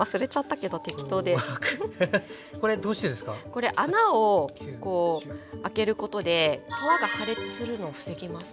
これ穴を開けることで皮が破裂するのを防ぎます。